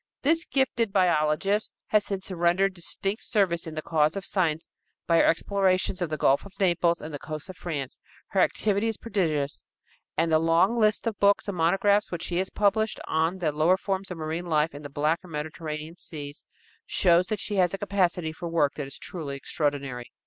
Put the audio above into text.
This gifted biologist has since rendered distinct service in the cause of science by her explorations of the Gulf of Naples and the coasts of France. Her activity is prodigious, and the long list of books and monographs which she has published on the lower forms of marine life in the Black and Mediterranean seas shows that she has a capacity for work that is truly extraordinary.